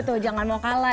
aduh tuh jangan mau kalah